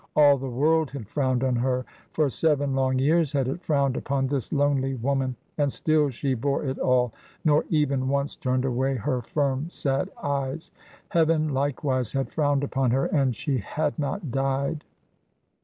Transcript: All the world had frowned on her — ^for seven long years had it frowned upon this lonely woman — and still she bore it all, nor even once turned away her firm, sad eyes. Heaven, likewise, had frowned upon her, and she had not died.